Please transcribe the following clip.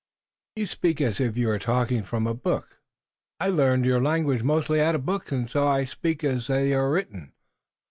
"You speak as if you were talking from a book." "I learned your language mostly out of books, and so I speak as they are written.